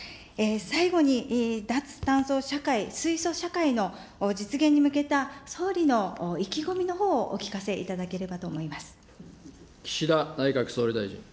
最後に脱炭素社会、水素社会の実現に向けた、総理の意気込みのほうをお聞かせいただければと思います。